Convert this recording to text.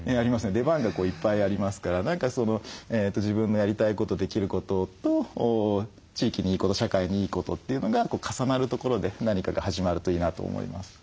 出番がいっぱいありますから何か自分のやりたいことできることと地域にいいこと社会にいいことというのが重なるところで何かが始まるといいなと思います。